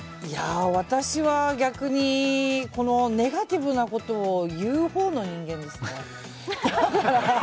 私は、逆にこのネガティブなことを言うほうの人間ですね。